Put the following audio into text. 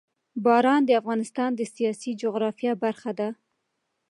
باران د افغانستان د سیاسي جغرافیه برخه ده.